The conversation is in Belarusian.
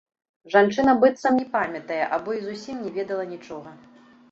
Жанчына быццам не памятае або і зусім не ведала нічога.